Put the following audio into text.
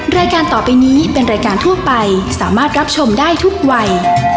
รายการต่อไปนี้เป็นรายการทั่วไปสามารถรับชมได้ทุกวัย